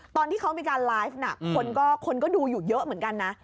ตอนที่เขามีการไลฟ์คนก็ดูอยู่เยอะเหมือนกันนะ